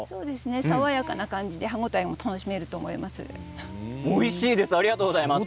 爽やかな感じで歯応えも楽しめると思います。